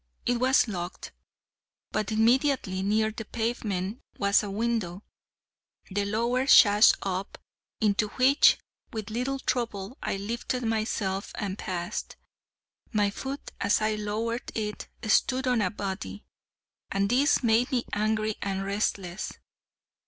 It was locked: but immediately near the pavement was a window, the lower sash up, into which, with little trouble, I lifted myself and passed. My foot, as I lowered it, stood on a body: and this made me angry and restless.